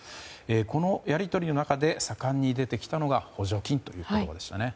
このやり取りの中で盛んに出てきたのが補助金という言葉でしたね。